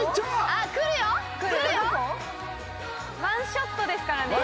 「１ショットですからね」